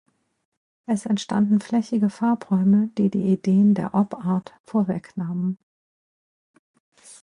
Es entstanden flächige Farbräume, die die Ideen der Op-Art vorwegnahmen.